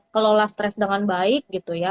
kelola stres dengan baik gitu ya